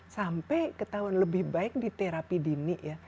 sampai ketahuan lebih baik di terapi dini ya